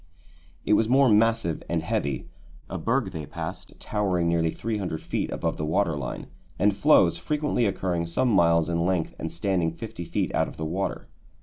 It was more massive and heavy, a berg they passed towering nearly 300 feet above the water line, and floes frequently occurring some miles in length and standing 50 feet out of the water.